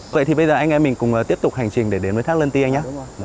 vậy thì bây giờ anh em mình cùng tiếp tục hành trình để đến với thác lân tiên anh nhé